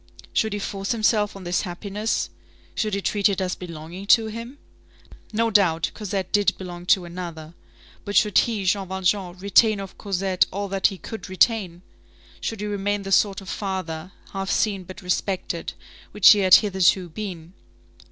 Should he force himself on this happiness? Should he treat it as belonging to him? No doubt, Cosette did belong to another; but should he, Jean Valjean, retain of Cosette all that he could retain? Should he remain the sort of father, half seen but respected, which he had hitherto been?